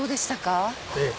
ええ。